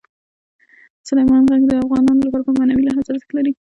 سلیمان غر د افغانانو لپاره په معنوي لحاظ ارزښت لري.